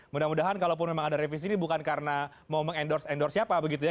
mudah mudahan kalau pun memang ada revisi ini bukan karena mau meng endorse endorse siapa begitu ya